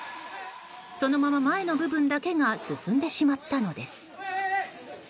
そのまま前の部分だけが進んでしまったのです。